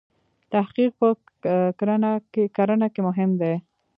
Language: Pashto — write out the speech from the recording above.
تحقیق په کرنه کې مهم دی.